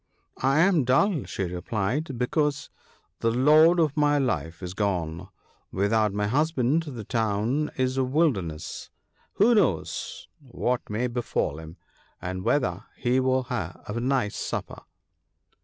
" I am dull," she replied, " because the lord of my life is gone. Without my husband the town is a wilderness. Who knows what may befall him, and whether he will have a nice supper